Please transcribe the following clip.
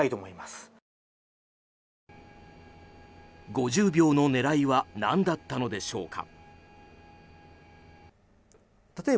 ５０秒の狙いは何だったのでしょうか。